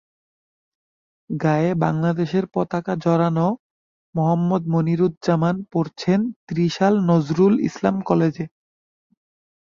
গায়ে বাংলাদেশের পতাকা জড়ানো মোহাম্মদ মনিরুজ্জামান পড়ছেন ত্রিশাল নজরুল ইসলাম কলেজে।